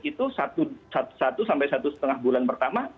itu satu sampai satu setengah bulan pertama